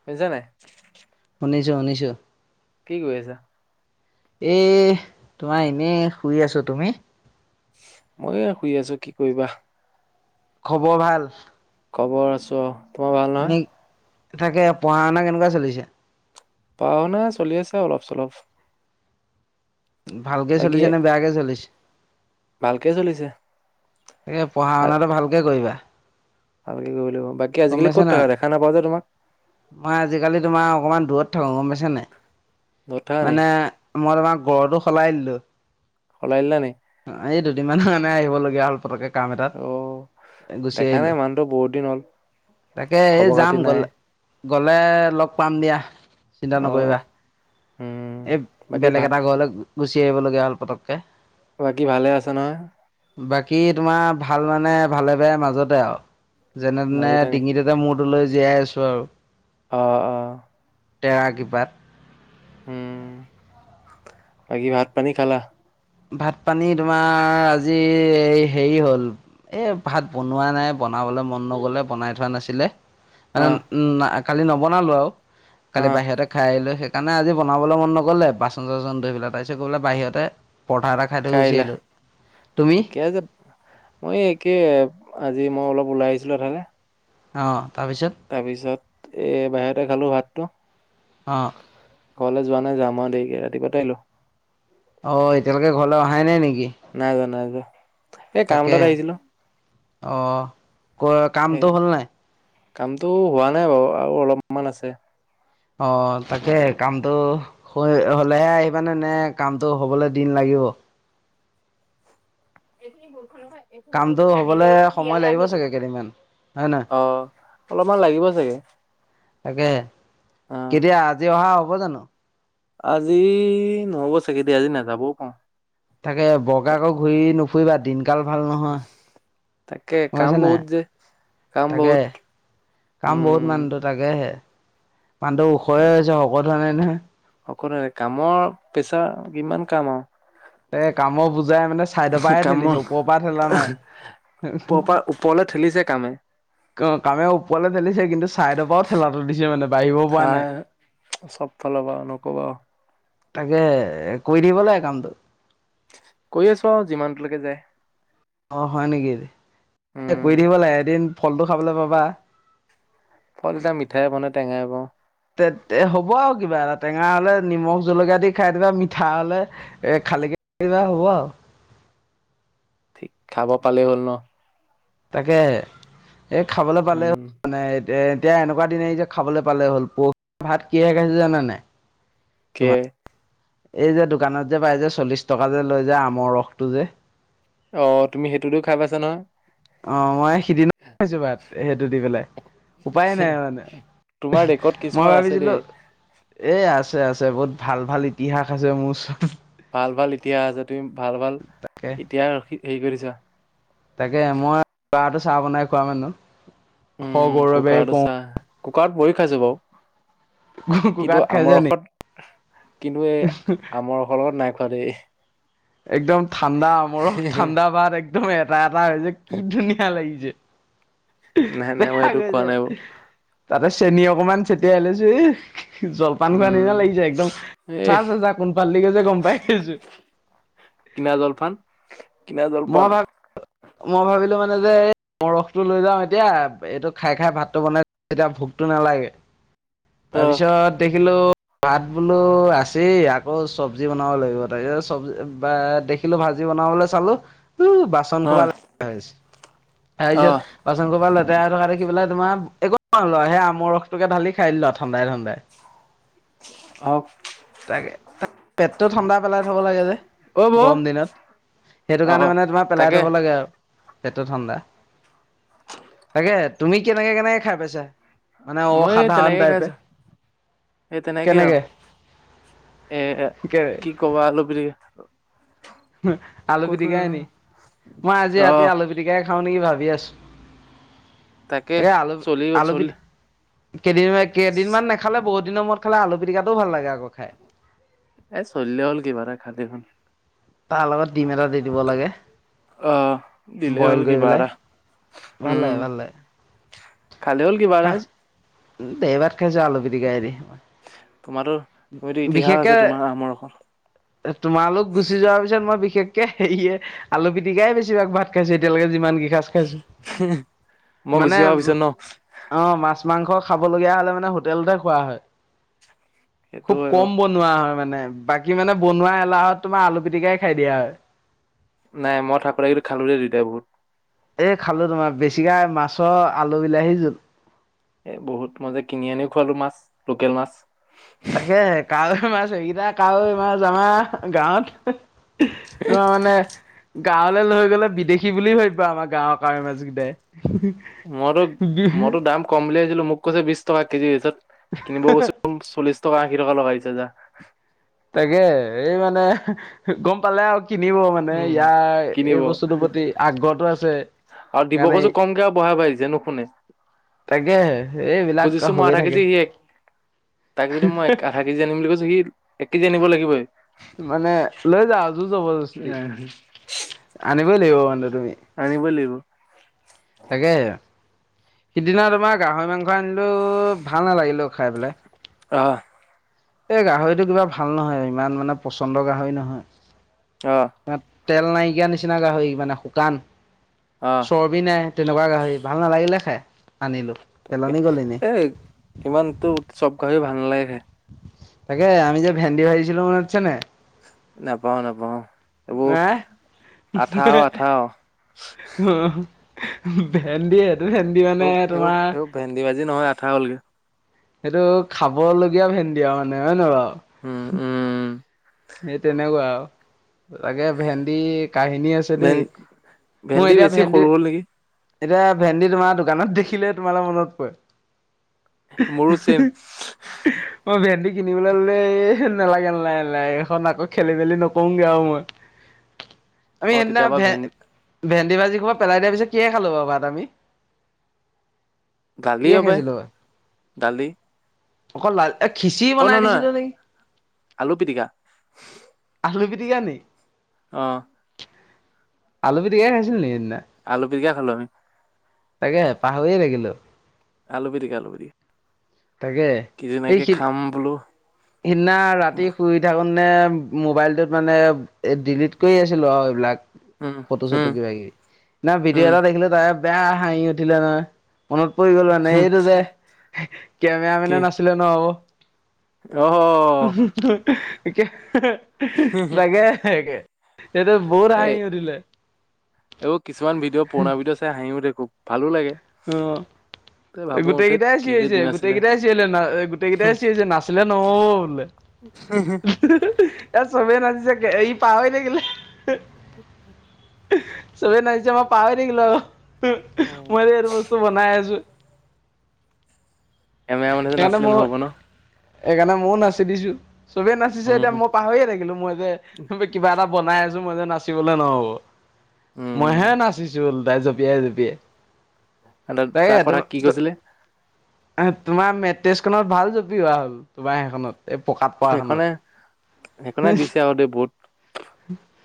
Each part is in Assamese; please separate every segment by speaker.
Speaker 1: শুনিছা নাই
Speaker 2: শুনিছোঁ শুনিছোঁ
Speaker 1: কি কৰি আছা
Speaker 2: এ তোমাৰ এনেই শুই আছো তুমি
Speaker 1: মই এ শুই আছোঁ কি কৰিবা
Speaker 2: খবৰ ভাল
Speaker 1: খবৰ আছোঁ আৰু তোমাৰ ভাল নহয়
Speaker 2: এনেই তাকে পঢ়া শুনা কেনেকুৱা চলিছে
Speaker 1: পঢ়া শুনা চলি আছে অলপ চলপ
Speaker 2: ভালকে
Speaker 1: বাকী
Speaker 2: চলিছে নে বেয়াকে চলিছে
Speaker 1: ভালকে চলিছে
Speaker 2: এ পঢ়া
Speaker 1: আ-
Speaker 2: শুনাটো ভালকে কৰিবা
Speaker 1: ভালকে কৰিব লাগিব। বাকী
Speaker 2: গম
Speaker 1: আজিকালি
Speaker 2: পাইছা
Speaker 1: ক'ত
Speaker 2: নাই
Speaker 1: থাকা দেখা নাপাওঁ যে তোমাক
Speaker 2: মই আজিকালি তোমাৰ অকমান দূৰত থাকো গম পাইছা নাই
Speaker 1: দূৰত থাকা
Speaker 2: মানে
Speaker 1: নেকি
Speaker 2: মই তোমাক গড়টো সলাই দিলো
Speaker 1: সলাই দিলা নেকি?
Speaker 2: এই দুদিনমান কাৰণে আহিবলগীয়া হ'ল পতককে কাম
Speaker 1: অ
Speaker 2: এটাত গুচি
Speaker 1: দেখা নাই
Speaker 2: আহিলো
Speaker 1: মানুহটো বহুত দিন হ'ল
Speaker 2: তাকে এই
Speaker 1: খবৰ খাতি
Speaker 2: যাম
Speaker 1: নাই
Speaker 2: গ'লে গ'লে লগ পাম দিয়া চিন্তা
Speaker 1: অ
Speaker 2: নকৰিবা
Speaker 1: উম
Speaker 2: এই
Speaker 1: বাকী
Speaker 2: বেলেগ
Speaker 1: ভাল
Speaker 2: এটা ঘৰলৈ গুচি আহিব লগীয়া হ'ল পতককে
Speaker 1: বাকী ভালে আছ নহয়
Speaker 2: বাকী তোমাৰ ভাল মানে ভালে বেয়া মাজতে আৱ যেনে তেনে
Speaker 1: মাজতে নি
Speaker 2: ডিঙিটোতে মূৰটো লৈ জীয়াই আছোঁ আৰু
Speaker 1: অহ অহ।
Speaker 2: তেৰা কীপাট।
Speaker 1: উম বাকী ভাত পানী খালা।
Speaker 2: ভাত পানী তোমাৰ আজি এই হেৰি হ'ল এ ভাত বনোৱা নাই বনাম। খাবলৈ মন নগ'লে বনাই থোৱা নাছিলে।
Speaker 1: অ
Speaker 2: মানে উম কালি নবনালো আৰু
Speaker 1: অ
Speaker 2: কালি বাহিৰতে খাই লৈ। সেইকাৰণে আজি বাবলৈ মন নগলে বাচন চাচন ধুই পেলাই তাৰপিছত বাহিৰতে। পৰঠা এটা থৈ
Speaker 1: খাই
Speaker 2: গুচি
Speaker 1: আহিলা,
Speaker 2: আহিলো। তুমি?
Speaker 1: ঠিকে আছে মই একে। আজি মই অলপ ওলাই আহিছিলো এঠাইলে।
Speaker 2: অ। তাৰপিছত
Speaker 1: তাৰ পিছত এ বাহিৰতে খালো ভাতটো।
Speaker 2: অ।
Speaker 1: ঘৰলৈ যোৱা নাই যাম আৰু দেৰিকে ৰাতিপুৱাতে আহিলো।
Speaker 2: অ এতিয়ালৈকে ঘৰলৈ অহাই নাই নেকি।
Speaker 1: নাই যোৱা নাই যোৱা। এ কাম এটাত আহিছিলো।
Speaker 2: অ ক কামটো হ'ল নাই।
Speaker 1: কামতটো হোৱা নাই বাৰু আৰু অলপমান আছে।
Speaker 2: অ তাকে কামতটো, হৈ হলেহে আহিবানে নে কামতটো হবলৈ দিন লাগি। দিব।
Speaker 1: এইখিনি।
Speaker 2: কামটো হবলে সময় লাগিব চাগে কেইদিনমান। হয় নহয়
Speaker 1: অহ অলপমান লাগিব চাগে।
Speaker 2: তাকে,
Speaker 1: অ
Speaker 2: কেতিয়া আজি অহা হ'ব জানো।
Speaker 1: আজি নহব চাগেদি আজি নাযাবও পাৰো।
Speaker 2: তাকে বগা আকৌ ঘূৰি নুফুৰিবা দিন। গাল ভাল নহয়,
Speaker 1: তাকে কাম
Speaker 2: বুজিছে ন
Speaker 1: বহুত যে কাম
Speaker 2: তাকে।
Speaker 1: বহুত
Speaker 2: কাম বহুত
Speaker 1: উম
Speaker 2: মানুহটো তাকেহে। মানুহটো ওখয়ে হৈছে সকলো ধৰণে নহয়।
Speaker 1: কামৰ পেচাৰ কিমান কাম আৰু।
Speaker 2: এ কাম বজ। জাই মানে চাইডৰ পৰাহে ঠেলিছে
Speaker 1: কামৰ
Speaker 2: ওপৰৰ পৰা ঠেলা নাই।
Speaker 1: ওপৰপা ওপৰলে ঠেলিছে কামে
Speaker 2: অ কামে ওপৰালে ঠেলিছে কিন্তু চাইদৰ পৰাও ঠেলাটো দিছে মানে। বাঢ়িব পৰা নাই
Speaker 1: খাই চব ফালৰ বা নকবাও।
Speaker 2: তাকে কৰি দিব ল কামটো।
Speaker 1: কৈ আছো আৰু যিমানটোলৈকে যায়।
Speaker 2: অ হয় নেকি কৰি
Speaker 1: উম
Speaker 2: দিব লাগে এদিন ফলটো খাবলৈ পাবা।
Speaker 1: ফল এটা মিঠাই ব নে টেঙাই পাওঁ।
Speaker 2: তে হ'ব আৰু কিবা এটা টেঙা হলে নিমখ জলকীয়া দি খাই দিবা মিঠা হলে এ খালি। কো হোৱা।
Speaker 1: ঠিক খাব পালেই হ'ল ন।
Speaker 2: তাকে, এই খাবলৈ পালে
Speaker 1: উম
Speaker 2: মানে। তে এতিয়া এনেকুৱা দিন যে খাবলৈ পালে হ'ল পৰহ, ভাত কি শে খাইছে জানে নাই।
Speaker 1: কে।
Speaker 2: তোমাৰ এই যে দোকানত যে পাই যে চল্লিশ টকা যে লৈ যায় আমৰ ৰসটো যে।
Speaker 1: অ তুমি সেইটোতো খাই পাইছা নহয়।
Speaker 2: অ মই সিদিনাছো, বাত সেইটো দি পেলাই। উপায়ে নাই মানে,
Speaker 1: তোমাৰ ৰেকৰ্ড
Speaker 2: মই
Speaker 1: কিছুমান আছে
Speaker 2: ভাবিছিলো
Speaker 1: দেই
Speaker 2: এ আছ। আছে আছে বহুত ভাল ভাল ইতিহাসত আছে মোৰ ওচৰত।
Speaker 1: ভাল ভাল, ইতিহাস আছে তুমি ভাল ভাল
Speaker 2: তাকে
Speaker 1: ইতিহাসি হেৰি কৰিছা।
Speaker 2: তাকে মই লৰাটো চাহ বনাই খোৱা মানো।
Speaker 1: উম কুকাৰতো চাহ কুকাৰত বহি খাইছো বাৰু কিন্তু
Speaker 2: কুকাৰত খাই
Speaker 1: আমৰ
Speaker 2: যে
Speaker 1: ৰসত
Speaker 2: নেকি?
Speaker 1: কিন্তু এই, আমাৰ ৰসৰ নাই খালেই।
Speaker 2: একদম ঠাণ্ডা আমৰ ৰস ঠাণ্ডা পাত একদম এটা এটা হৈ যে কি ধুনীয়া লাগিছে।
Speaker 1: নাই নাই মই
Speaker 2: বেয়া
Speaker 1: এইটো
Speaker 2: কৈ
Speaker 1: খোৱা
Speaker 2: যে
Speaker 1: নাই বাৰু
Speaker 2: তাতে চেনী অকমান চটিয়াই লৈছো এ। জলপান খ আনি না
Speaker 1: উম
Speaker 2: লাগিছে একদমঁচা,
Speaker 1: এই
Speaker 2: চা যা কোনোফালেই দি যে গম পাই সো।
Speaker 1: কিনা জলপান, কিনা
Speaker 2: মই
Speaker 1: জলপান।
Speaker 2: ভাব মই ভাবিলো মানে যে এই ম ৰসটো লৈ যাওঁ এতিয়া এইটো খাই খাই ভাতটো বনাই এতিয়া ভ। নালাগে,
Speaker 1: অ
Speaker 2: তাৰপিছত দেখিলো। ভাত বোলো আছি আকৌ চব্জি বনাব লাগিব তাক চব্জি বা দেখিলো ভাল। ভাজি বনাব চালোঁ উ বাচন।
Speaker 1: অ
Speaker 2: তাৰ
Speaker 1: অ
Speaker 2: পিছত বাচন কবা লেতেৰা থকালে তোমাৰ। ল সেই আমৰ ৰসটোকে ঢালি খাই ল ঠাণ্ডাই ঠাণ্ডাই।
Speaker 1: হক।
Speaker 2: তাকে পেটটো ঠাণ্ডা পেলাই থ'ব লাগে যে,
Speaker 1: অ বৌ
Speaker 2: গৰম দিনত। সেইটো
Speaker 1: অ
Speaker 2: কাৰণে মানে তোমাৰ পেলাই
Speaker 1: তাকে
Speaker 2: থব লাগে আৰু। পেটটো ঠাণ্ডা তাকে তুমি কেনেকে কেনেকে খাই পাইছা। মানে
Speaker 1: মই এই
Speaker 2: অসাধাৰণ
Speaker 1: তেনেকে
Speaker 2: টাইপে
Speaker 1: খাইছো এই তেনেকেই আৰু
Speaker 2: কেনেকে।
Speaker 1: এ কি কবা আলু পিটিকা।
Speaker 2: আলু
Speaker 1: ক'ত গ'ল
Speaker 2: পিটিকাই
Speaker 1: জানো
Speaker 2: নি মই আজি ৰাতি
Speaker 1: আহ
Speaker 2: আলু পিটিকাই খাই খাওঁ নেকি ভাবি আছো
Speaker 1: তাকে
Speaker 2: এই আলু,
Speaker 1: চলি গ'ল
Speaker 2: আলু
Speaker 1: চল
Speaker 2: পিটি কেইদিন কেইদিনমান নেখালে বহুত দিনৰ মূৰত খালে আলু পিটকাটোও ভাল লাগে আকৌ খাই।
Speaker 1: এ চলিলে হ'ল কিবা এটা খালে হ'ল
Speaker 2: তাৰ লগত ডিম এটা দি দিব লাগে।
Speaker 1: আহ দিলে
Speaker 2: বইল
Speaker 1: হ'ল
Speaker 2: কৰি
Speaker 1: কিবা
Speaker 2: পেলাই
Speaker 1: এটা
Speaker 2: ভাল
Speaker 1: উম
Speaker 2: লাগে, ভাল লাগে।
Speaker 1: খালে হ'ল কি এটা।
Speaker 2: উ ধেই ভাত খাইছো আলু পিটিকাই দি।
Speaker 1: তোমাৰটো তুমিতো ইতিহাস আছে তোমাৰ আমৰখন।
Speaker 2: এ তোমালোক গুচি যোৱাৰ পিছত মই বিশেষকে সেয়ে আলু পিটিকাই বেছিভাগ ভাত খাইছো এতিয়ালৈকে যিমান কি সাঁজ খাইছো।
Speaker 1: মই
Speaker 2: মানে
Speaker 1: গুচি আহা পিছত ন।
Speaker 2: অ মাছ মাংস খাবলগীয়া হ'লে মানে হোটেলতে খোৱা হয়।
Speaker 1: সেইটো
Speaker 2: খুব
Speaker 1: হয় বাৰু
Speaker 2: কম বনোৱা হয় মানে। বাকী মানে বনোৱা এলাহত তোমাৰ আলু পিটিকাই খাই দিয়া হয়।
Speaker 1: নাই মই থাকোঁতে কিন্তু খালোঁ দেই দুইটাই বহুত।
Speaker 2: এ খালোঁ তোমাৰ বেছিকাই মাছৰ আলু বিলাহী জোল।
Speaker 1: এ বহুত মই যে কিনি আনি খোৱালো মাছ লোকেল মাছ।
Speaker 2: তাকে কাৱৈ মাছ, সেইকেইটা কাৱৈ মাছ আমাৰ গাঁৱত তোমাৰ মানে গাঁৱলৈ লৈ গ'লে বিদেশী বুলি ভাবিব আমাক। গাঁৱৰ কাৰৈ মাছ কেইটাই।
Speaker 1: ছিলো মোক কৈছে বিশ টকা কেজি তাৰপিছত কিনিব গৈছো চল্লিশ টকা আশী টকা লগাই দিছে যা।
Speaker 2: তাকে এই মানে গম পালে আৰু কিনিব মানে
Speaker 1: উম
Speaker 2: ইয়াৰ এই
Speaker 1: কিনিব
Speaker 2: বস্তুটোৰ প্ৰতি আগ্ৰত
Speaker 1: আৰু দিব কজু কমকে আৰু বঢ়া বাঢ়িছে নুশুনে।
Speaker 2: তাকে এইবিলাক
Speaker 1: খুজিছো মই
Speaker 2: হৈয়ে
Speaker 1: আধা
Speaker 2: থাকে।
Speaker 1: কেজি সি এক তাক যদি মই আধা কেজি আনিম বুলি কৈছো সি এক কেজি আনিব লাগিবই
Speaker 2: মানে লৈ যা আজোৰ জবৰদস্তি। আনিবই লাগিব মা
Speaker 1: আনিবই লাগিব।
Speaker 2: তাকে- সিদিনা তোমাৰ গাহৰি মাংস আনিলো ভাল নালাগিলে খাই পেলাই।
Speaker 1: অ
Speaker 2: এই গাহৰিটো কিবা ভাল নহয় ইমান মানে পচন্দ গাহৰি নহয়।
Speaker 1: অ
Speaker 2: তেল নাইকিয়াৰ নিচিনা গাহৰি মানে শুকান
Speaker 1: আহ
Speaker 2: চৰ্বি নাই। তেনেকুৱা গাহৰি ভাল নালাগিলে খাই। আনিলো
Speaker 1: ত
Speaker 2: পেলনি গ'ল এনেই
Speaker 1: এ ইমানতো চব গাহৰি ভাল নালাগে খাই।
Speaker 2: তাকে আমি যে ভেণ্ডি ভাজিছিলো মনত আছে নাই?
Speaker 1: নাপাও নাপাও এইবোৰ, আঠাও আঠাও।
Speaker 2: [unintelligible] ভেন্দিয়েত
Speaker 1: এইবো এইবো এইবোৰ ভেন্দি ভাজি নহয় আঠা হ'লগে।
Speaker 2: সেইটো খাব লগীয়া ভেন্দি আও মানে হয় নহয় বাওঁ।
Speaker 1: উম উম
Speaker 2: সে তেনেকুৱা আও তাগে ভেন্দি কাহিনী আছে
Speaker 1: ভে
Speaker 2: দেই, মোৰ
Speaker 1: ভেন্দি
Speaker 2: এতিয়া
Speaker 1: বেছি
Speaker 2: ভেন্দিৰ
Speaker 1: সৰু হ'ল নেকি
Speaker 2: এতিয়া ভেন্দি তোমাৰ দোকানত দেখিলে তোমালে মনত পৰে।
Speaker 1: মোৰো ছেম
Speaker 2: [unintelligible] অ ভেন্দি কিনিবলৈ ল'লে নেলাগে নেলাগে আকৌ খেলি মেলি নকওগে আউ মই, আমি
Speaker 1: মই
Speaker 2: সেদিনা
Speaker 1: তেতিয়াবা
Speaker 2: ভে ভেন্দি ভাজি ক'ৰবাত পেলাই দিয়া পিছত কিহে খালো বাউ ভাত আমি
Speaker 1: দালি
Speaker 2: কিহে
Speaker 1: হপাই,
Speaker 2: খাইছিলো বাৰু
Speaker 1: দালি
Speaker 2: অকল লাল এ খিচি
Speaker 1: অ
Speaker 2: বনাই
Speaker 1: নহয় নহয়
Speaker 2: দিছিলোঁ নেকি!
Speaker 1: আলু পিটিকা
Speaker 2: আলু পিটিকা নি
Speaker 1: অৱ
Speaker 2: আলু পিটিকাই খাইছিলো নি সেইদিনা
Speaker 1: আলু পিটিকা খালো আমি
Speaker 2: তাকে পাহইএ থাকিলো
Speaker 1: আলু পিটিকা আলু পিটিকা
Speaker 2: তাকে
Speaker 1: কি
Speaker 2: সেই
Speaker 1: ধুনীয়াকে
Speaker 2: খিনি
Speaker 1: খাম বোলো
Speaker 2: সিদিনা ৰাতি শুই থাকো নে মোৱাইলটোত মানে ডিলিট কৰি আছিলো আউ এইবিলাক
Speaker 1: উম
Speaker 2: ফটো
Speaker 1: উম
Speaker 2: চটো কিবা কিবি না ভিডিঅ'
Speaker 1: উম
Speaker 2: এটা দেখিলো তাৰে বেয়া হাঁহি উঠিলে নহয়। মনত পৰি গ'ল মানে
Speaker 1: হুম
Speaker 2: এইটো যে কেমেৰা
Speaker 1: কি
Speaker 2: মেনে নাছিলে নাছিলে অ
Speaker 1: অ
Speaker 2: [inaudible] তাকে সেটোত বহুত
Speaker 1: এ
Speaker 2: হাঁহি উঠিলে।
Speaker 1: এইবোৰ কিছুমান ভিডিঅ' পুৰণা ভিডিঅ' চাই হাঁহিও খুব ভালো লাগে।
Speaker 2: [unintelligible]
Speaker 1: ত ভাবো
Speaker 2: গোটেই
Speaker 1: ধেত
Speaker 2: কেইটাই
Speaker 1: কি যে
Speaker 2: চিঞৰিছে
Speaker 1: দিন আছিলে
Speaker 2: গোটেই কেইটাই চিঞৰিলে না গোটেই কেইটাই চিঞৰিছে নাছিলে নহ'ল।
Speaker 1: [unintelligible]
Speaker 2: ইয়াত চবে নাচিছে ই পাহই থাকিলে।
Speaker 1: [unintelligible]
Speaker 2: চবেই নাচিছে মই পাহই থাকিলো আও মই যে এইটো বস্তু বনাই আছোঁ
Speaker 1: কেমেৰা মেন এজন আছিলে নহয় ওৱন ৰ
Speaker 2: সেইকাৰে ময়ো নাচি দিছোঁ চবে নাচিছে
Speaker 1: উম
Speaker 2: এতিয়া মই পাহৰিয়ে থাকিলো মই যে কিবা এটা বনাই আছো মই যে নাচ নাচিবলৈ নহ'ব
Speaker 1: উম
Speaker 2: মইহে নাচিছোল তাই জঁপিয়াই জঁপিয়াই
Speaker 1: এ
Speaker 2: তাকে
Speaker 1: তাৰ কথা কি কৈছিলে।
Speaker 2: তোমাৰ মেট্ৰেজ খত ভাল জপিওৱা হ'ল তোমাৰ সেইখনত এই পকাত
Speaker 1: সেইখনে সেইখনে
Speaker 2: পৱাখনত
Speaker 1: দিছে আৰু দেই বহুত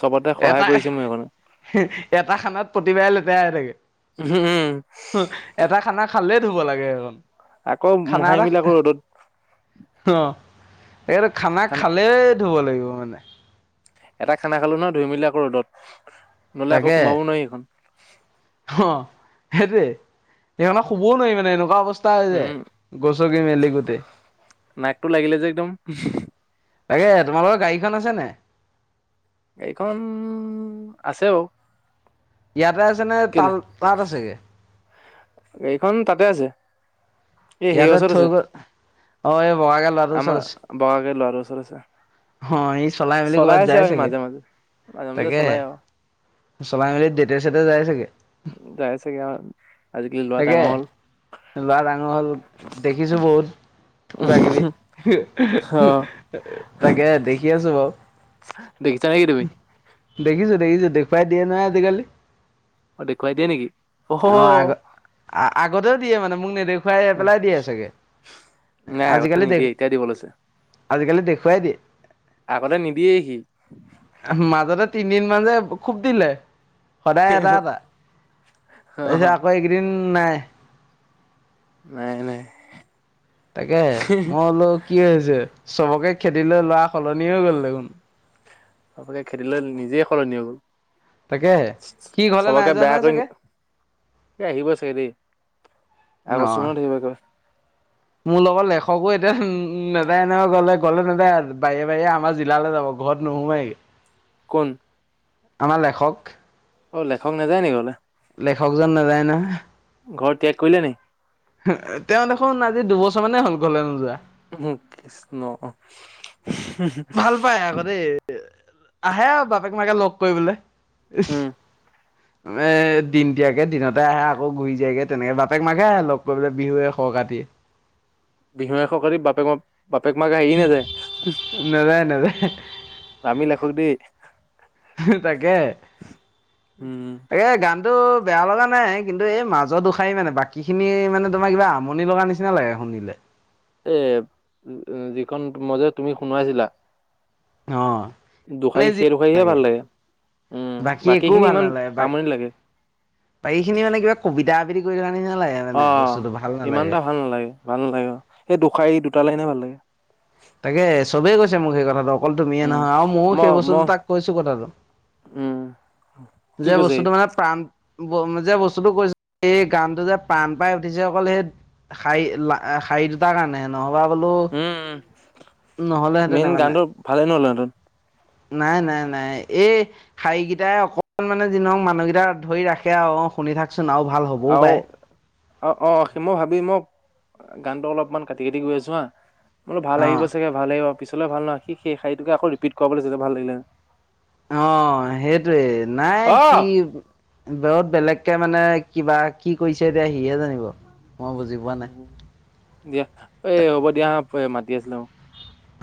Speaker 1: চবতে সহায় কৰিছে মোক সেইখনে
Speaker 2: এটাই এটা খানত প্ৰতিবাই লেতেয়াই হৈ থাকে
Speaker 1: উম উম
Speaker 2: ভালে ধুব লাগে। এখন
Speaker 1: আকৌ
Speaker 2: খানা
Speaker 1: মোহাৰি
Speaker 2: এটা
Speaker 1: মেলি আকৌ ৰ'দত
Speaker 2: অ' এইটো খানা খালেই ধুব লাগিব মানে।
Speaker 1: এটা খানা খালো ন ধুই মেলি আকৌ ৰ'দত নহ'লে আকৌ
Speaker 2: তাকে
Speaker 1: সোমাবও নোৱাৰি সেইখন।
Speaker 2: অ' সেইটোয়ে সেইকাৰে শুবও নোৱাৰি মানে এনেকুৱা অৱস্থ তা হৈ যায়
Speaker 1: উম
Speaker 2: গচকি মেলি গোতে।
Speaker 1: নাকটো লাগিলে যে একদম।
Speaker 2: খন আছে নাই?
Speaker 1: এইখন আছে বাও।
Speaker 2: ইয়াতে আছে নে তাল তাত আছেগে।
Speaker 1: গাড়ীখন তাতে আছে। এই হেৰিৰ
Speaker 2: ইয়াতে
Speaker 1: ওচৰত
Speaker 2: থৈ
Speaker 1: আছে
Speaker 2: গ'ল অ' এই বগাকে লৰাটো ওচৰত
Speaker 1: আমাৰ
Speaker 2: আছে।
Speaker 1: বগাকে ল'ৰাটোৰ ওচৰত আছে
Speaker 2: অ' সি চলাই মেলি কৰ'বাত
Speaker 1: আছে
Speaker 2: যায়
Speaker 1: আৰু
Speaker 2: চাগে।
Speaker 1: মাজে মাজে মাজে মাজে
Speaker 2: তাকে
Speaker 1: চলাই আৰু
Speaker 2: চলাই মেলি দেতে চেতে যাই চাগে।
Speaker 1: যাই চাগে আৰু আজিকালি ল'ৰা
Speaker 2: তাকে
Speaker 1: ডাঙৰ হ'ল
Speaker 2: লৰা ডাঙৰ হ'ল দেখিছো বহুত। কিবা কিবি
Speaker 1: অ
Speaker 2: তাকে দেখি আছো বাও
Speaker 1: দেখিছা নেকি তুমি?
Speaker 2: দেখিছো দেখিছো। দেখুৱাই দিয়া নহয় আজিকালি।
Speaker 1: অ দেখুৱাই দিয়ে নেকি অহ
Speaker 2: অ' আগ আগতেও দিয়ে মানে মোক নেদেখা পেলাই দিয়ে চাগে।
Speaker 1: নাই
Speaker 2: আজি
Speaker 1: আগতে
Speaker 2: কালি দেখ
Speaker 1: নিদিয়ে এতিয়া দিব লৈছে
Speaker 2: আজিকালি দেখুৱাই দিয়ে।
Speaker 1: আগতে নিদিয়ে সি।
Speaker 2: তিনিদিন মান যে খুব দিলে সদায় এটা এটা।
Speaker 1: অ
Speaker 2: তাৰপিছত আকৌ এইকেইদিন নাই
Speaker 1: নাই নাই।
Speaker 2: তাকে মই বোলো কি হৈছে? চবকে খেতি ল'ৰা সলনি হৈ গ'ল দেখোন।
Speaker 1: চবকে খেদিলে নিজেই সলনি হ'ল।
Speaker 2: তাকেহে সি ঘৰলে নাই
Speaker 1: চবকে
Speaker 2: যোৱা
Speaker 1: বেয়া
Speaker 2: নহয়
Speaker 1: কৰি নি
Speaker 2: চাগে
Speaker 1: এ আহিব চাগে দেই।
Speaker 2: অ
Speaker 1: আগষ্টত মাহত আহিব একে বাৰে।
Speaker 2: মোৰ লগত লেখকো এতিয়া উম নেযায়। এনেকৈ গলে গ'লে নেযায় বাহি বাহিৰে আমাৰ জিলালৈ যাব। ঘৰত নোসোমাই গে
Speaker 1: কোন
Speaker 2: আমাৰ লেখক।
Speaker 1: অ' লেখক নাযায় নেকি ঘলে?
Speaker 2: লেখকজন নাযায় নহয়।
Speaker 1: ঘৰ ত্যাগ কৰিলে নেকি?
Speaker 2: তেওঁ দেখোন আজি দুবছৰ মানে হল ঘলে নোযোৱা।
Speaker 1: উম কৃষ্ণ।
Speaker 2: ভাল পায় আকৌ দেই আহে আৰু বাপেক মাকে লগ কৰিবলে।
Speaker 1: উম
Speaker 2: উ এ দিন দিয়াকে দিনতে আহে। আকৌ ঘূৰি যায়গে। তেনেকে বাপেক মাক আহে লগ পাই পেলাই বিহুৱে ক কাটি
Speaker 1: বিহু এশকাৰী বাপেক [inaudible] বাপেক মাকে হেৰি নাযায়।
Speaker 2: নাযায় নাযায়
Speaker 1: ৰামি [inaudible] লেখক দেই
Speaker 2: তাকে
Speaker 1: উম
Speaker 2: তাকে গানটো বেয়া লগা নাই কিন্তু এই মাজত উসাইি মানে বাকী খিনি মানে তোমাৰ কিবা আমনি লগা নিচিনা লাগে শুনিলে।
Speaker 1: এ যিখন মই যে তুমি শুনোৱাইছিলা।
Speaker 2: অ' মানে
Speaker 1: দুসাৰী
Speaker 2: যি
Speaker 1: সে দুসাৰীহে ভাল লাগে উম বাকী
Speaker 2: একো
Speaker 1: খিনি
Speaker 2: ভাল
Speaker 1: ইমান
Speaker 2: নালাগে
Speaker 1: আমনি লাগে।
Speaker 2: বা এইখিনি মানে কিবা কবিতা আবৃত্তি কৰি থকা নিচিনা লাগে
Speaker 1: অ
Speaker 2: মানে বস্তুটো ভাল
Speaker 1: ইমান
Speaker 2: নালাগে
Speaker 1: এটা ভাল নালাগে ভাল নালাগে অ সেই দুসাৰী দুটা লাইনে ভাল লাগে
Speaker 2: তাকে চবেই কৈছে মোক সেই কথাতো অকল তুমিয়ে
Speaker 1: উম
Speaker 2: নহয় আৰু ময়ো
Speaker 1: ম
Speaker 2: সেই
Speaker 1: ম
Speaker 2: বস্তুটো তাক কৈছো কথাটো
Speaker 1: উম কি
Speaker 2: যে
Speaker 1: কৈছে ই?
Speaker 2: বস্তুটো মানে প্ৰাণ যে বস্তুটো কৈছো এই গানটো যে প্ৰাণ পাই উঠিছে অকল সেই শাৰী শাৰী দুটাৰ কাৰণে হে নহ'বা বোলো
Speaker 1: উম উম
Speaker 2: নহ'লেহেঁতেনে
Speaker 1: মেইন
Speaker 2: মানে
Speaker 1: গানটো ভালে নহ'ল সেইতো
Speaker 2: নাই নাই নাই এই শাৰীকেইটাই অকন মানে যি নহওক মানুহকেইট ধৰি ৰাখে আৰু শুনি থাকে চোন আৰু ভাল হ'বও
Speaker 1: আৰু
Speaker 2: পাই
Speaker 1: অ অ সি মই ভাবি মোক গান টো অলপমান কাটি কাটি গৈ আছো হা বোলো ভাল
Speaker 2: অ
Speaker 1: লাগিব চাগে ভাল লাগিব পিছলে ভাল নহয় সেই শাৰীটোকে আকৌ ৰিপিট কৰিবলৈ যে ভাল লাগিলে
Speaker 2: আহ সেইটোৱে নাই
Speaker 1: অ',
Speaker 2: সি বহুত বেলেগকে মানে কিবা কি কৰিছে এতিয়া সিহে জানিব মই বুজি পোৱা নাই
Speaker 1: উম দিয়া এ হ'ব দিয়া মাতি আছিলে